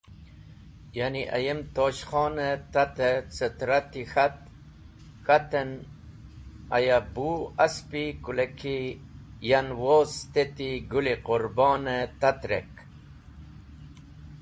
Ya’ni ayem tosh Khon tat cẽ tarat-e k̃hat en aya bu asp-e kũleki yan woz steti Gũl-e Qũrbon tat’rek.